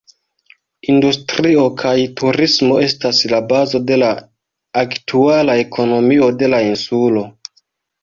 Industrio kaj turismo estas la bazo de la aktuala ekonomio de la insulo.